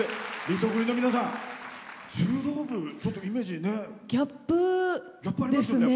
リトグリの皆さん柔道部、イメージね。